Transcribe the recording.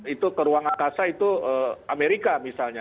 itu ke ruang angkasa itu amerika misalnya